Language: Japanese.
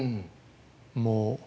もう。